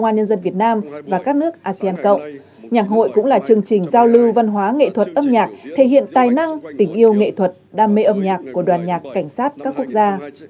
nhà hội cũng là chương trình giao lưu văn hóa nghệ thuật âm nhạc thể hiện tài năng tình yêu nghệ thuật đam mê âm nhạc của đoàn nhạc cảnh sát các quốc gia